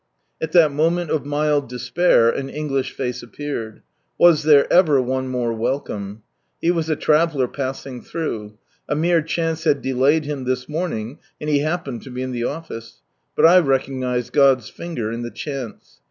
At that moment of mild despair an English face appeared. Was ever one more welcome I He was a traveller passing through. A mere chance had delayed him this morning, and he happened to be in the office. But I recognised God's finger in the "chance."